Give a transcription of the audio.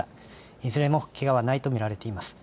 いずれもけがはないと見られています。